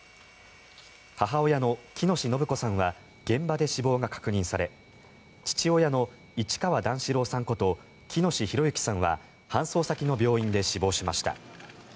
母親の喜熨斗延子さんは現場で死亡が確認され父親の市川段四郎さんこと喜熨斗弘之さんは搬送先の病院で死亡しました。